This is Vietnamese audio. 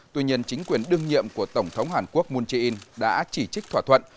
tuy nhiên chính quyền đương nhiệm của tổng thống hàn quốc moon jae in đã chỉ trích thỏa thuận